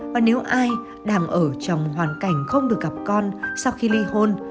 và nếu ai đang ở trong hoàn cảnh không được gặp con sau khi ly hôn